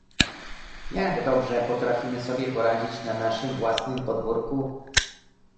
Jak dobrze potrafimy sobie poradzić na naszym własnym podwórku?